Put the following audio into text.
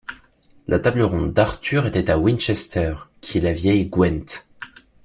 La table ronde d’Arthur était à Winchester, qui est la vieille gwent.